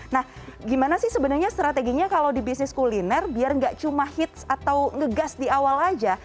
nah gimana sih sebenarnya strateginya kalau di bisnis kuliner biar nggak cuma hits atau ngegas di awal aja